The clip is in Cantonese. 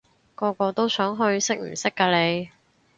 個個都想去，識唔識㗎你？